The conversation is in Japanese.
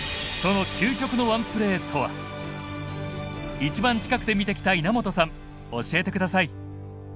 一番近くで見てきた稲本さん教えて下さい。